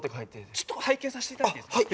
ちょっと拝見させていただいていいですか？